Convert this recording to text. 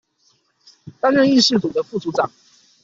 擔任議事組的副組長